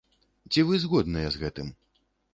Ці вы згодныя з гэтым?